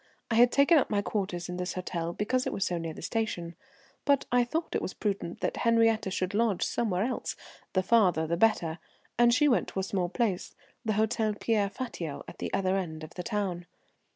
I had taken up my quarters in this hotel because it was so near the station, but I thought it prudent that Henriette should lodge somewhere else, the farther the better, and she went to a small place, the Hôtel Pierre Fatio, at the other end of the town.